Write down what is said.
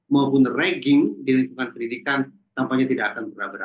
maupun ragging di lingkungan pendidikan tampaknya tidak akan pernah berat